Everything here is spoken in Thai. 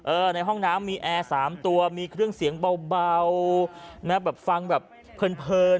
ในห้องน้ำมีแอร์สามตัวมีเครื่องเสียงเบานะแบบฟังแบบเพลิน